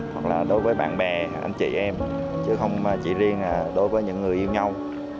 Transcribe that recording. hoặc là đối với bạn bè anh chị em chứ không chỉ riêng đối với những người yêu nhau